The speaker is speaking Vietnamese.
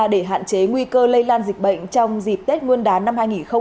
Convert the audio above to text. để hạn chế nguy cơ lây lan dịch bệnh trong dịp tết nguyên đán năm hai nghìn hai mươi